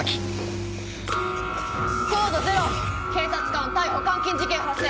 コード０！警察官逮捕監禁事件発生。